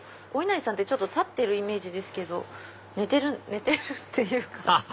お稲荷さんって立ってるイメージですけど寝てるっていうか。